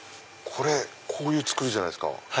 これこういう作りじゃないですか。